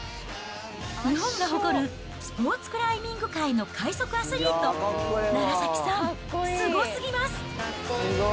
日本が誇るスポーツクライミング界の快速アスリート、楢崎さん、すごすぎます。